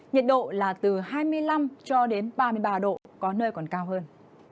nhiệt độ là từ hai mươi năm cho đến ba mươi ba độ có nơi còn cao hơn